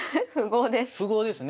符号ですね。